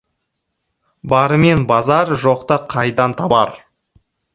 Барымен базар, жоқты қайдан табар.